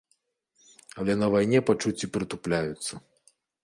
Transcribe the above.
Але на вайне пачуцці прытупляюцца.